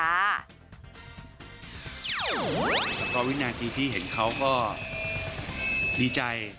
แล้วก็วินาทีที่เห็นเขาก็ดีใจ